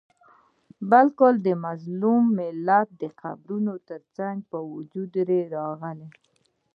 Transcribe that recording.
بلکي د مظلوم ملت د قبرونو څخه په وجود راغلی